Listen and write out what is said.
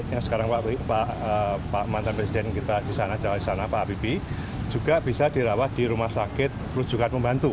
yang sekarang pak mantan presiden kita di sana adalah di sana pak habibie juga bisa dirawat di rumah sakit rujukan pembantu